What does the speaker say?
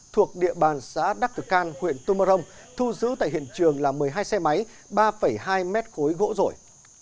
thuộc địa bàn xã đắc thực can huyện tô mơ rông thu giữ tại hiện trường là một mươi hai xe máy ba hai mét khối gỗ rổi